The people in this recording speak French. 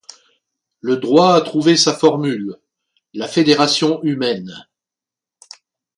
Le droit a trouvé sa formule: la fédération humaine.